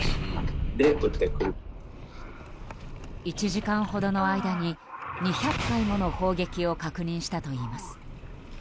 １時間ほどの間に２００回もの砲撃を確認したといいます。